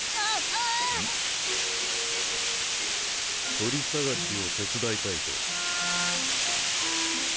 鳥捜しを手伝いたいと？